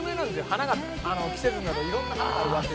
「花が季節になると色んな花が植わってて」